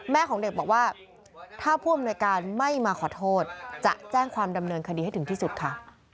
ของเด็กบอกว่าถ้าผู้อำนวยการไม่มาขอโทษจะแจ้งความดำเนินคดีให้ถึงที่สุดค่ะ